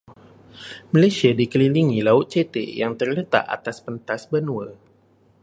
Malaysia dikelilingi laut cetek yang terletak atas pentas benua.